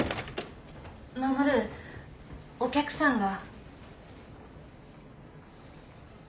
衛お客さんが。